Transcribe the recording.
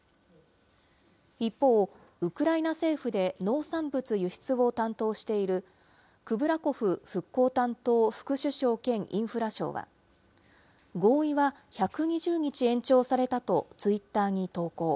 一方、ウクライナ政府で農産物輸出を担当している、クブラコフ復興担当副首相兼インフラ相は、合意は１２０日延長されたとツイッターに投稿。